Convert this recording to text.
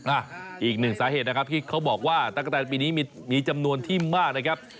อ่ะอีกหนึ่งสาเหตุนะครับที่เขาบอกว่าตะกะแตนปีนี้มีจำนวนที่มากนะครับ